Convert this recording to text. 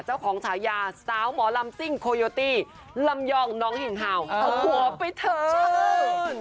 ฉายาสาวหมอลำซิ่งโคโยตี้ลำยองน้องหินเห่าเอาหัวไปเถิน